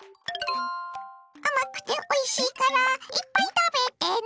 甘くておいしいからいっぱい食べてね！